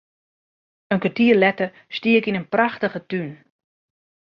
In kertier letter stie ik yn in prachtige tún.